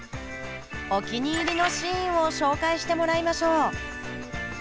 お気に入りのシーンを紹介してもらいましょう！